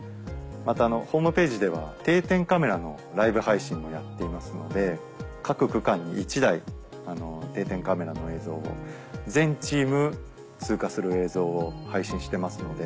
またホームページでは定点カメラのライブ配信もやっていますので各区間に１台定点カメラの映像を全チーム通過する映像を配信してますので。